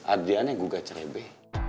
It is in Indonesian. adriana yang gugacere be